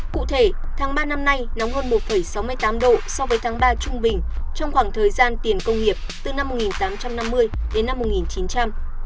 cụ thể tháng ba năm nay nóng hơn một sáu mươi tám độ so với tháng ba trung bình trong khoảng thời gian tiền công nghiệp từ năm một nghìn tám trăm năm mươi đến năm một nghìn chín trăm linh